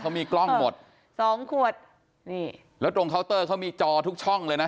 เขามีกล้องหมดสองขวดนี่แล้วตรงเคาน์เตอร์เขามีจอทุกช่องเลยนะ